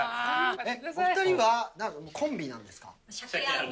お２人はコンビなんですか？